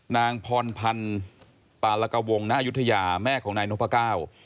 นางพรพันธ์ปารกวงณยุธยาแม่ของนายนพก้าว